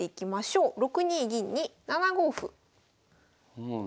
うん。